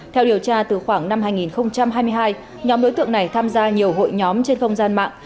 theo điều tra từ khoảng năm hai nghìn hai mươi hai nhóm đối tượng này tham gia nhiều hội nhóm trên không gian mạng